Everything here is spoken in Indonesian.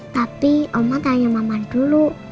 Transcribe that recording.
tapi oman tanya mama dulu